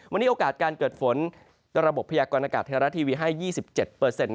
วันนี้โอกาสการเกิดฝนระบบพยากรณากาศธรรยาทีวีให้๒๗เปอร์เซ็นต์